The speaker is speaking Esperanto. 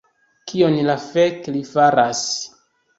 Kion la fek li faras?